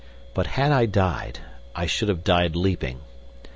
But had I died, I should have died leaping.